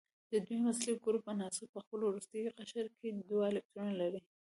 د دویم اصلي ګروپ عناصر په خپل وروستي قشر کې دوه الکترونونه لري.